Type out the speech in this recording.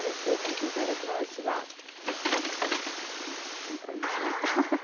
天ぷらいいですね。